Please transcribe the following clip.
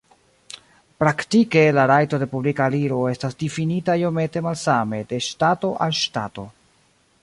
Praktike la rajto de publika aliro estas difinita iomete malsame de ŝtato al ŝtato.